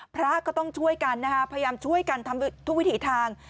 พระก็ต้องช่วยกันนะคะพยายามช่วยกันทำทุกวิถีทาง